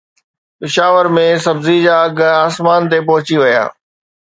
پشاور ۾ سبزي جا اگهه آسمان تي پهچي ويا